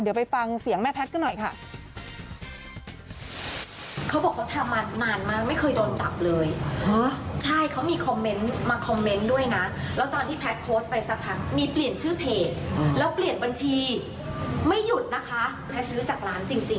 เดี๋ยวไปฟังเสียงแม่แพทย์กันหน่อยค่ะ